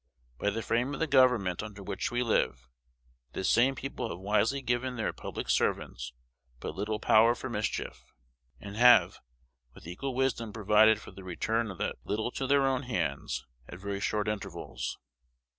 By the frame of the government under which we live, this same people have wisely given their public servants but little power for mischief, and have with equal wisdom provided for the return of that little to their own hands at very short intervals.